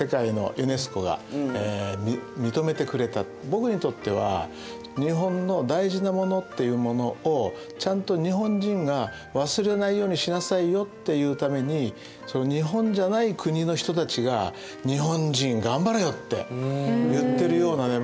僕にとっては日本の大事なものっていうものをちゃんと日本人が忘れないようにしなさいよっていうために日本じゃない国の人たちが日本人頑張れよって言ってるようなね